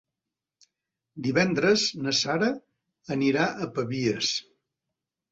Divendres na Sara anirà a Pavies.